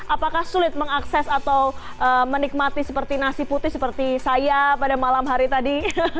apakah sulit mengakses atau menikmati seperti nasi putih seperti saya pada malam hari tadi